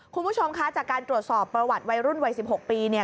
คุณผู้ชมคะจากการตรวจสอบประวัติวัยรุ่นวัย๑๖ปีเนี่ย